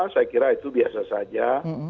saya kira itu biasa saja